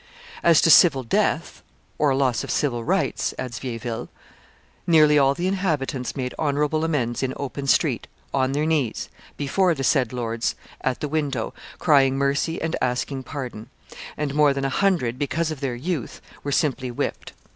As to civil death (loss of civil rights)," adds Vieilleville, "nearly all the inhabitants made honorable amends in open street, on their knees, before the said my lords at the window, crying mercy and asking pardon; and more than a hundred, because of their youth, were simply whipped.